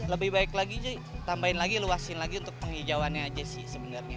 lebih baik lagi sih tambahin lagi luasin lagi untuk penghijauannya aja sih sebenarnya